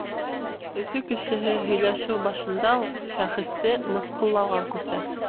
Өфө кешеһе һөйләшеү башында уҡ шәхесте мыҫҡыллауға күсә.